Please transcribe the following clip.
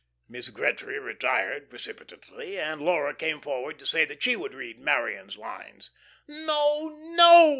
Miss Gretry retired precipitately, and Laura came forward to say that she would read Marion's lines. "No, no!"